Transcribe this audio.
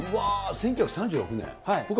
１９３６年。